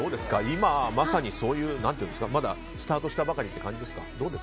今まさにまだスタートしたばかりって感じですか？